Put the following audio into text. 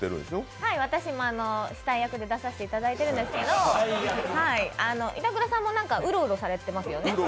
はい、私も死体役で出させているんですけど、板倉さんもウロウロされてますよね？